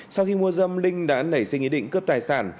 sau khi mua dâm linh đã nảy sinh ý định cướp tài sản